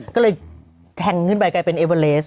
ก็เลยแทงขึ้นไปกลายเป็นเอเวอเลส